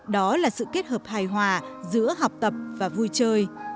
đó là sự kết hợp hài hòa giữa học tập và vui chơi